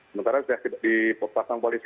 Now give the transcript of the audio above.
sementara sudah dipasang polis